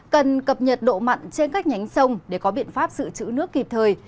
cần cập nhật độ mặn trên các nhánh sông để có biện pháp giữ chữ nước kịp thời